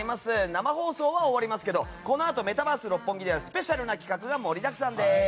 生放送は終わりますがこのあとメタバース六本木ではスペシャルな企画が盛りだくさんです。